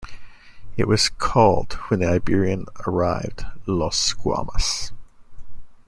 It was called when the Iberian arrived, Los Guamas.